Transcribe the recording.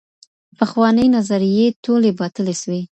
پخوانۍ نظریې ټولې باطلې سوې.